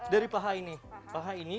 dari paha ini